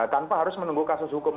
tanpa harus menunggu kasus hukum